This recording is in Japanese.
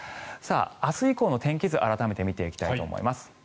明日以降の天気図を改めて見ていきます。